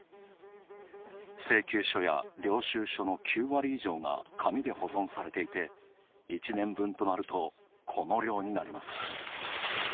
請求書や領収書の９割以上が紙で保存されていて、１年分となるとこの量になります。